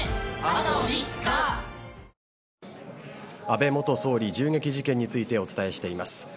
安倍元総理銃撃事件についてお伝えしています。